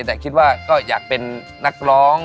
แต่คิดว่าก็อยากเป็นนักร้อง